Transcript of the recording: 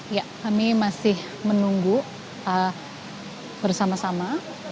ya kami masih menunggu bersama sama